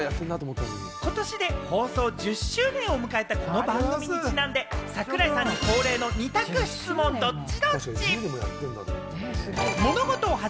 ことしで放送１０周年を迎えたこの番組にちなんで、櫻井さんに恒例の二択質問、ドッチ？